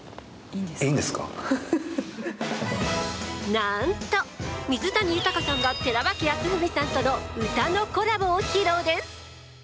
なんと水谷豊さんが寺脇康文さんとの歌のコラボを披露です。